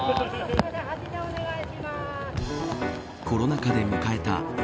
コロナ禍で迎えた